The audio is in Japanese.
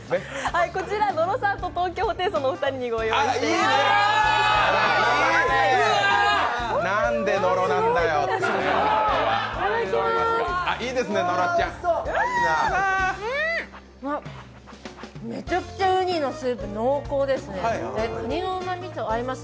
こちら野呂さんと東京ホテイソンのお二人にご用意しています。